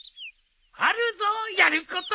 あるぞやること。